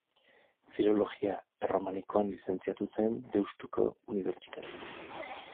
Filologia Erromanikoan lizentziatu zen Deustuko Unibertsitatean.